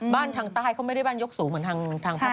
บ้านทางใต้เขาไม่ได้บ้านยกสูงเหมือนทางฝั่งต่าง